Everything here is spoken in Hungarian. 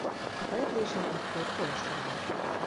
A településen egykor kolostor állt.